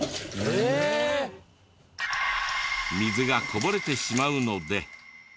水がこぼれてしまうので。